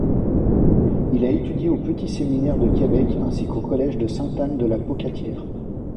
Il a étudié au Petit Séminaire de Québec ainsi qu'au Collège de Sainte-Anne-de-la-Pocatière.